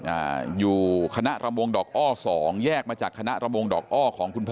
อ่าอยู่คณะรำวงดอกอ้อสองแยกมาจากคณะระมงดอกอ้อของคุณพ่อ